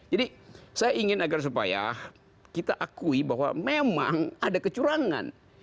jadi saya ingin agar supaya kita akui bahwa memang ada kecurangan